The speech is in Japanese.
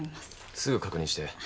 すぐ確認して。